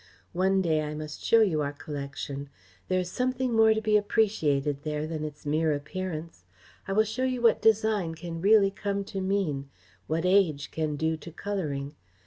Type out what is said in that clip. One day I must show you our collection. There is something more to be appreciated there than its mere appearance. I will show you what design can really come to mean, what age can do to colouring.